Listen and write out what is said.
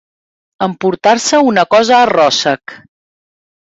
Emportar-se una cosa a ròssec.